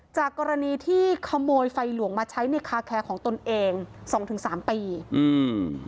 จากกรณีที่ขโมยไฟหลวงมาใช้ในคาแคร์ของตนเองสองถึงสามปีอืม